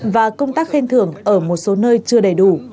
và công tác khen thưởng ở một số nơi chưa đầy đủ